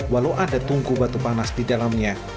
walau ada tungku batu panas di dalamnya